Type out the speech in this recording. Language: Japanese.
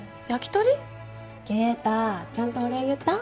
圭太ちゃんとお礼言った？